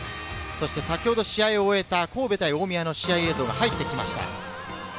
先ほど試合を終えた、神戸対大宮の試合映像が入ってきました。